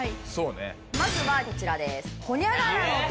まずはこちらです。